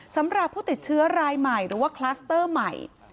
สำหรับผู้ติดเชื้อรายใหม่หรือว่าคลัสเตอร์ใหม่